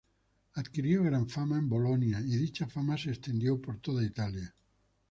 Adquirió gran fama en Bolonia, y dicha fama se extendió por toda Italia.